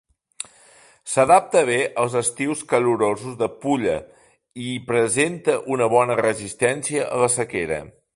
S'adapta bé als estius calorosos de Pulla i presenta una bona resistència a la sequera.